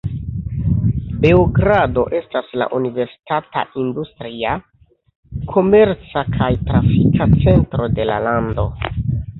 Beogrado estas la universitata, industria, komerca kaj trafika centro de la lando.